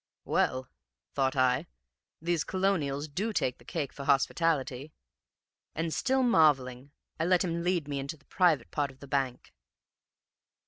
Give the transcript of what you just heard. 'Well,' thought I, 'these Colonials do take the cake for hospitality!' And, still marvelling, I let him lead me into the private part of the bank.